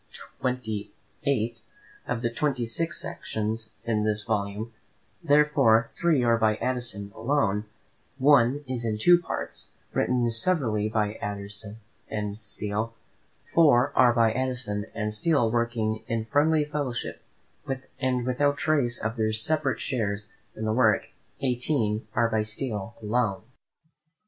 XVIII. Of the twenty six sections in this volume, therefore, three are by Addison alone; one is in two parts, written severally by Addison and Steele; four are by Addison and Steele working in friendly fellowship, and without trace of their separate shares in the work; eighteen are by Steele alone.